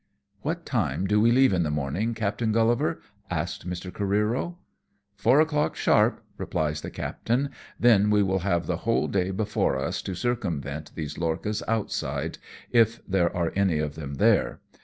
" What time do we leave in the morning. Captain GuUivar ?" asks Mr. Careero. PIRATICAL LORCHAS. iii " Four o'clock sharp,' replies the captain, " then we will have the whole day before us to circumvent these lorchas outside, if there are any of them there.